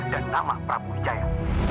dan nama prabu wijaya